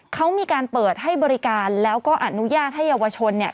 เขามีการเปิดให้บริการแล้วก็อนุญาตให้เยาวชนเนี่ย